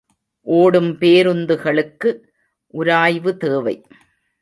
ஓடும் பேருந்துகளுக்கு உராய்வு தேவை.